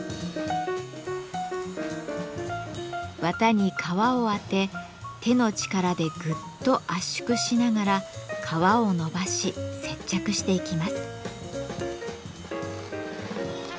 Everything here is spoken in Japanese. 綿に革を当て手の力でぐっと圧縮しながら革を伸ばし接着していきます。